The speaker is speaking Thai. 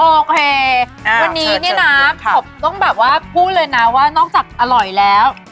โอเควันนี้เนี่ยนะผมต้องแบบว่าพูดเลยนะว่านอกจากอร่อยแล้ว